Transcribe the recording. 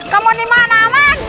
kamu dimana amin